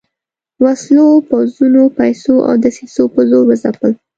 وسلو، پوځونو، پیسو او دسیسو په زور وځپل.